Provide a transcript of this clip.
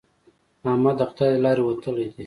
احمد د خدای له لارې وتلی دی.